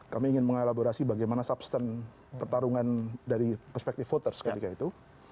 kami ingin mengelaborasi bagaimana substan pertarungan dari perspektif voters ketika itu